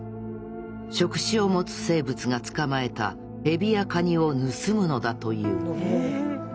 触手を持つ生物が捕まえたエビやカニを盗むのだという。